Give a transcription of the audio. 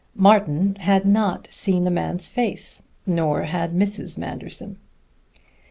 _Martin had not seen the man's face; nor had Mrs. Manderson.